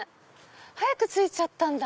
早く着いちゃったんだ。